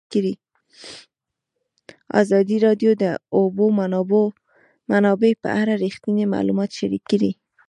ازادي راډیو د د اوبو منابع په اړه رښتیني معلومات شریک کړي.